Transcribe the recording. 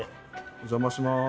お邪魔します。